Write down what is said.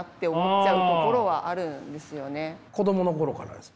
子どもの頃からですか？